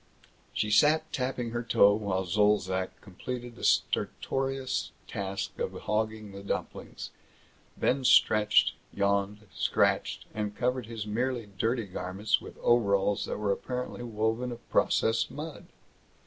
She sat tapping her toe while Zolzac completed the stertorous task of hogging the dumplings, then stretched, yawned, scratched, and covered his merely dirty garments with overalls that were apparently woven of processed mud.